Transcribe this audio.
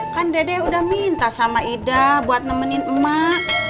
kan dede udah minta sama ida buat nemenin emak